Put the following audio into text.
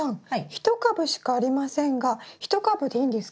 １株しかありませんが１株でいいんですか？